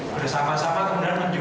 bersama sama kemudian bergantung